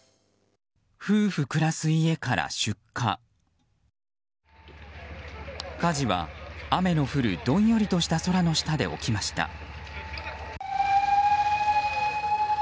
火事は雨の降るどんよりとした空の下で起きました。